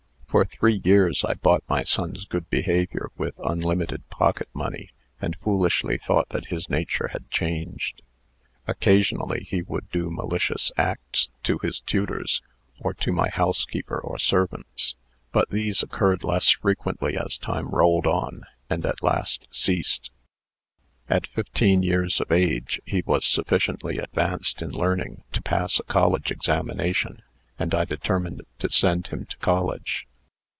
"For three years I bought my son's good behavior with unlimited pocket money, and foolishly thought that his nature had changed. Occasionally he would do malicious acts to his tutors, or to my housekeeper or servants; but these occurred less frequently as time rolled on, and at last ceased. At fifteen years of age, he was sufficiently advanced in learning to pass a college examination, and I determined to send him to college.